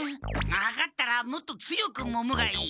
分かったらもっと強くもむがいい。